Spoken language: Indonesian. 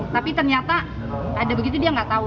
tapi ternyata ada begitu dia nggak tahu